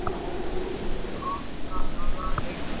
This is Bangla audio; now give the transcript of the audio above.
সৃষ্টাদি বিষয়ে যত শ্রুতি আছে, সবই তাঁহাকে লক্ষ্য করিতেছে।